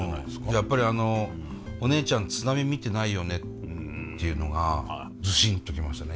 やっぱりあの「お姉ちゃん津波見てないよね」っていうのがズシンと来ましたね。